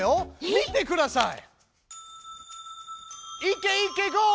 見てください！